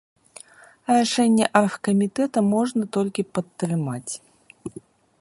Рашэнне аргкамітэта можна толькі падтрымаць.